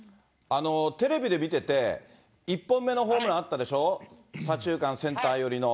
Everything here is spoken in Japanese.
テレビで見てて、１本目のホームランあったでしょ、左中間、センター寄りの。